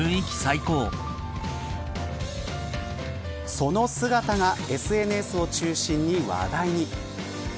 その姿がＳＮＳを中心に話題に。